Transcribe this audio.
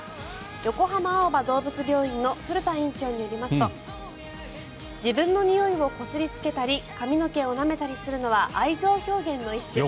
横浜青葉どうぶつ病院の古田院長によりますと自分のにおいをこすりつけたり髪の毛をなめたりするのは愛情表現の一種。